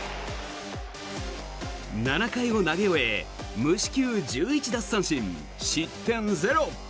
７回を投げ終え無四球１１奪三振失点ゼロ。